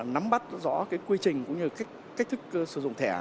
nắm bắt rõ quy trình cũng như cách thức sử dụng thẻ